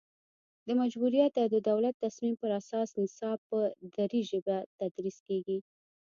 د مجبوریت او د دولت تصمیم پر اساس نصاب په دري ژبه تدریس کیږي